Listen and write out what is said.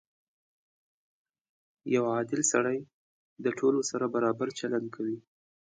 • یو عادل سړی د ټولو سره برابر چلند کوي.